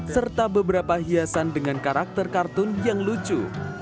serta beberapa hiasan dengan karakter kartun yang lucu